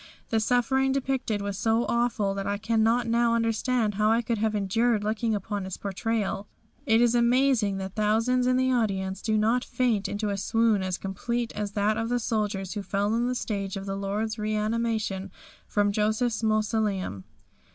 The suffering depicted was so awful that I cannot now understand how I could have endured looking upon its portrayal. It is amazing that thousands in the audience did not faint into a swoon as complete as that of the soldiers who fell on the stage at the Lord's reanimation from Joseph's mausoleum.